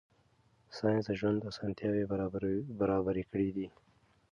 ساینس د ژوند اسانتیاوې برابرې کړې دي.